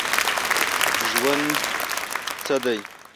ژوند څه دی ؟